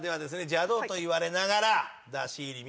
邪道と言われながらだし入り